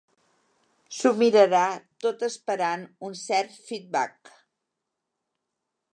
S'ho mirarà tot esperant un cert feedback.